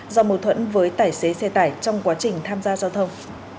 do mâu thuẫn với tài xế xe tải trong quá trình tham gia giao thông